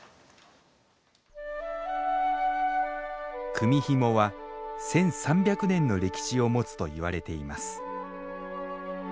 組みひもは１，３００年の歴史を持つといわれています